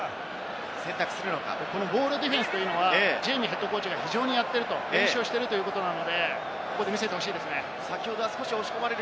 モールディフェンスというのは、ジェイミーＨＣが非常にやっている、練習をしているということなので、ここで見せてほしいですね。